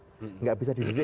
tidak bisa dididik